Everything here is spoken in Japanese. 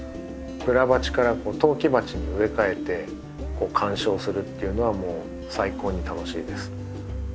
プラ鉢から陶器鉢に植え替えて観賞するっていうのはもう最高に楽しいです。